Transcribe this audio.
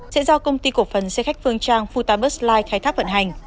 sẽ do công ty cổ phần xe khách phương trang futabus light khai thác vận hành